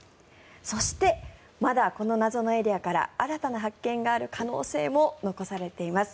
そして、まだこの謎のエリアから新たな発見がある可能性も残されています。